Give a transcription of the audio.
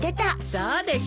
そうでしょ。